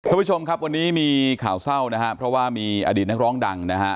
คุณผู้ชมครับวันนี้มีข่าวเศร้านะฮะเพราะว่ามีอดีตนักร้องดังนะฮะ